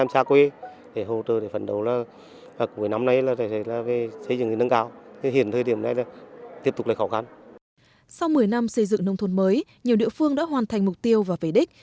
sau một mươi năm xây dựng nông thôn mới nhiều địa phương đã hoàn thành mục tiêu và về đích